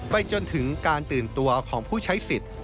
จนถึงการตื่นตัวของผู้ใช้สิทธิ์